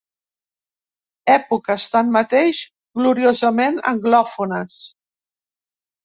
Èpoques, tanmateix, gloriosament anglòfones.